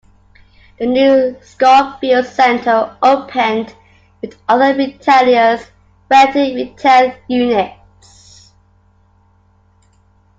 The new Schofields Centre opened with other retailers renting retail units.